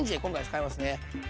今回使いますね。